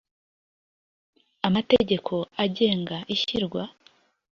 amategeko agenga ishyirwa